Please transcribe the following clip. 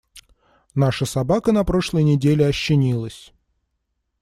Наша собака на прошлой неделе ощенилась.